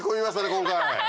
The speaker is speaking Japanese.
今回。